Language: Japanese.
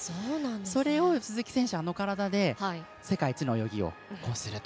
それを鈴木選手、あの体で世界一の泳ぎをすると。